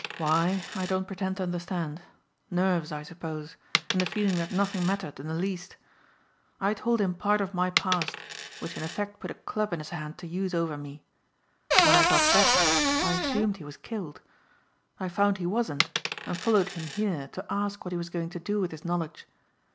Why I don't pretend to understand. Nerves I suppose and the feeling that nothing mattered in the least. I told him part of my past which in effect put a club in his hand to use over me. When I got better I assumed he was killed. I found he wasn't and followed him here to ask what he was going to do with his knowledge.